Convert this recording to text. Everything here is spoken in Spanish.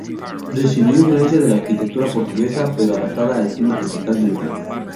Recibió influencia de la arquitectura portuguesa, pero adaptada al clima tropical del lugar.